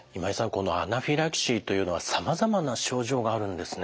このアナフィラキシーというのはさまざまな症状があるんですね。